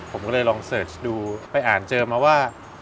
ผมก็เลยลองเสิร์ชดูไปอ่านเจอมาว่า